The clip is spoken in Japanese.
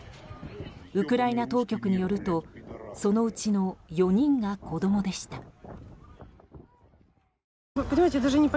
ウクライナ当局によるとそのうちの４人が子供でした。